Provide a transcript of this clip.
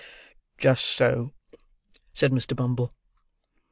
"Just so," said Mr. Bumble.